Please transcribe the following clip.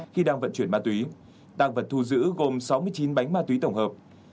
khi đang vận chuyển ma túy tăng vật thu giữ gồm sáu mươi chín bánh ma túy tổng hợp